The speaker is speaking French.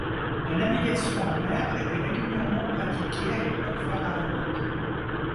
La navigation en mer était régulièrement pratiquée à l'époque pharaonique.